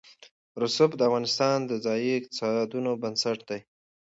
رسوب د افغانستان د ځایي اقتصادونو بنسټ دی.